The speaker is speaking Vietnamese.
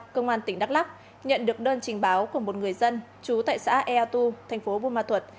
công an tỉnh đắk lắk nhận được đơn trình báo của một người dân chú tại xã eatu tp bumatut